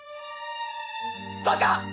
バカ！